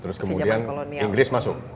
terus kemudian inggris masuk